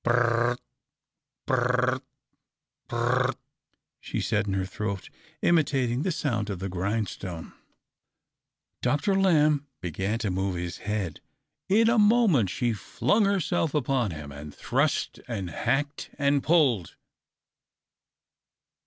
" B r r r r, b r r r r, b r r r r," she said in her throat, imitating the sound of the grindstone. Doctor Lamb began to move THE OCTAVE OF CLAUDIUS. 323 his head. In a moment she flung herself upon him, and thrust and hacked and pulled.